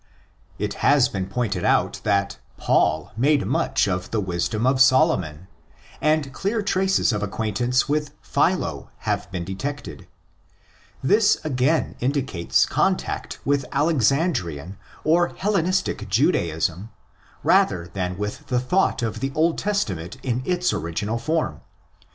It has been pointed out that '' Paul"? made much use of the Wisdom of Solomon; and clear traces of acquaintance with Philo have been detected. This again indicates contact with Alexandrian or Hellenistic Judaism rather than with the thought of the Old Testament in its original form.